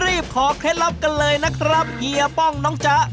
ขอเคล็ดลับกันเลยนะครับเฮียป้องน้องจ๊ะ